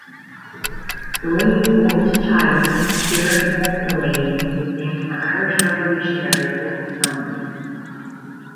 Delaney's oldest child, Ciaran Wolfe Delaney, is named for Irish revolutionary Wolfe Tone.